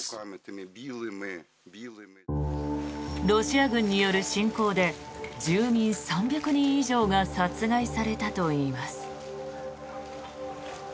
ロシア軍による侵攻で住民３００人以上が殺害されたといいます。